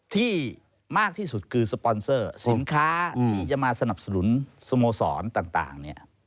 มากที่สุดคือสปอนเซอร์สินค้าที่จะมาสนับสนุนสโมสรต่างเนี่ย